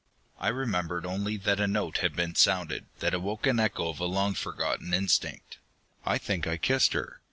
I remembered only that a note had been sounded that awoke an echo of a long forgotten instinct. I think I kissed her.